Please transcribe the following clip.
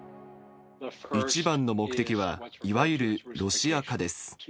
一番の目的は、いわゆるロシア化です。